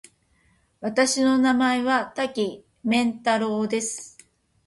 私の名前は多岐麺太郎です。